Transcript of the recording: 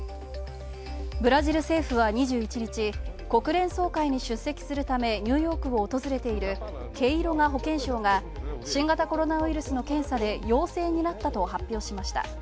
ブラジル政府は２１日、国連総会に出席するためニューヨークを訪れているケイロガ保健相が新型コロナウイルスの検査で陽性になったと発表しました。